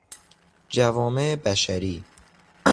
جوامع بشری